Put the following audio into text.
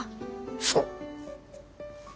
そう。